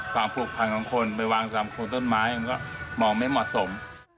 ผูกพันของคนไปวางตามโคนต้นไม้มันก็มองไม่เหมาะสม